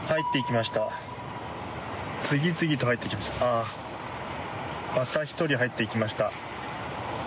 また１人入っていきました。